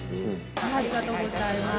ありがとうございます。